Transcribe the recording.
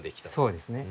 そうですね。